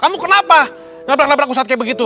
kamu kenapa nabrak nabrak usat kayak begitu